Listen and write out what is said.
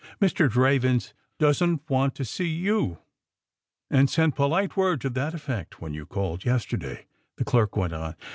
^^Mr. Dravens doesn't want to see you, and sent polite word to that effect when you called yesterday/' the clerk went on.